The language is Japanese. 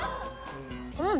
うん！